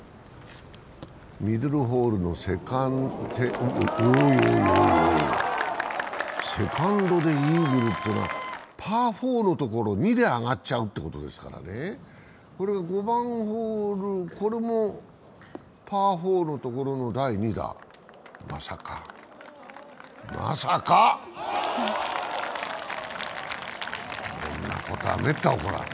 ミドルホールのセカンド、おいおいおい、セカンドでイーグルというのは、パー４のところを２で上がっちゃうッテことですからね、５番ホール、これもパー４のところの第２打、まさかまさかこんなことはめったに起こらない。